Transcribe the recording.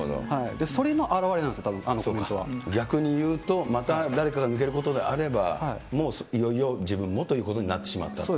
それの表れなんですよ、あのコメ逆に言うと、また誰かが抜けることがあれば、もういよいよ自分もということになってしまったと。